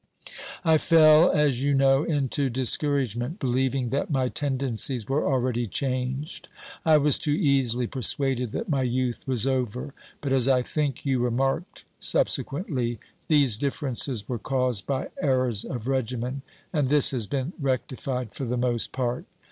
I fell, as you know, into discouragement, believing that my tendencies were already changed. I was too easily persuaded that my youth was over. But, as I think you remarked subsequently, these differences were caused by errors of regimen, and this has been rectified for the most part.